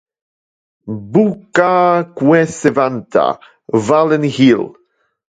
Bucca que se vanta, vale nihil.